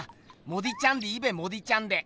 モディちゃんでいいべモディちゃんで。